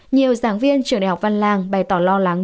nhiều giảng viên trường đại học văn lang bày tỏ lo lắng